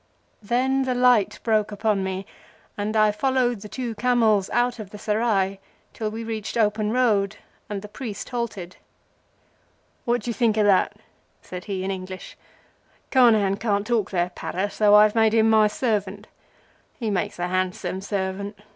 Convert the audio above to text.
Then the light broke upon me, and I followed the two camels out of the Serai till we reached open road and the priest halted. "What d' you think o' that?" said he in English. "Carnehan can't talk their patter, so I've made him my servant. He makes a handsome servant.